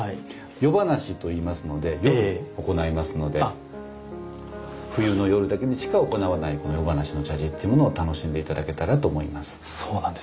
夜咄と言いますので夜行いますので冬の夜だけにしか行わない夜咄の茶事っていうものを楽しんで頂けたらと思います。